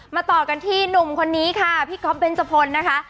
ต่อกันที่หนุ่มคนนี้ค่ะพี่ก๊อฟเบนจพลนะคะ